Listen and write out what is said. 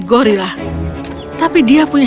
gorilla tapi dia punya